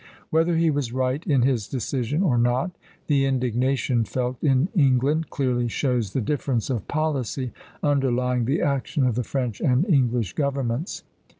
Whether he was right in his decision or not, the indignation felt in England clearly shows the difference of policy underlying the action of the French and English governments.